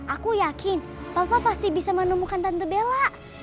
aku yakin papa pasti bisa menemukan tante bela